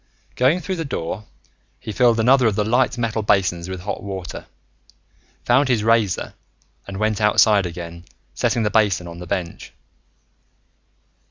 Going through the door, he filled another of the light metal basins with hot water, found his razor, and went outside again, setting the basin on the bench.